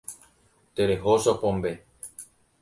Tereho chopombe.